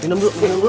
dinam dulu dinam dulu